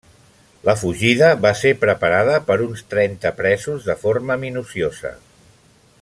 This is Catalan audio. La fugida va ser preparada per uns trenta presos de forma minuciosa.